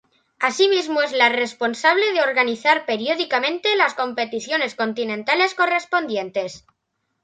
Asimismo es la responsable de organizar periódicamente las competiciones continentales correspondientes.